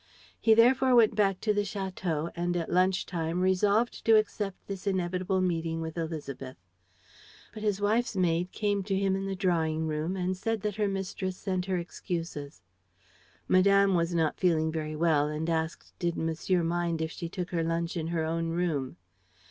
He therefore went back to the château and, at lunch time, resolved to accept this inevitable meeting with Élisabeth. But his wife's maid came to him in the drawing room and said that her mistress sent her excuses. Madame was not feeling very well and asked did monsieur mind if she took her lunch in her own room.